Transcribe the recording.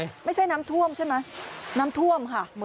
ไม่ใช่น้ำท่วมใช่ไหมน้ำท่วมค่ะ